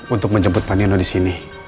untuk menjemput pak nino di sini